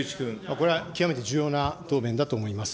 これは極めて重要な答弁だと思います。